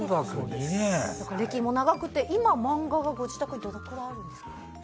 歴も長くて今、漫画はご自宅にどれぐらいあるんですか？